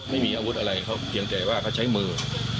ไม่มีอาวุธอะไรเขาเพียงแต่ว่าเขาใช้มือ